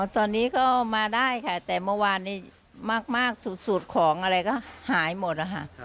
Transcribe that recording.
ตอนนี้ก็มาได้ค่ะแต่เมื่อวานนี้มากสูตรของอะไรก็หายหมดนะคะ